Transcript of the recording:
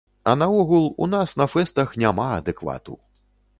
А наогул, у нас на фэстах няма адэквату.